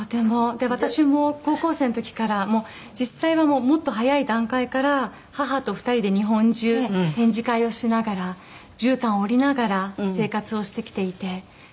で私も高校生の時から実際はもっと早い段階から母と２人で日本中展示会をしながら絨毯を織りながら生活をしてきていて。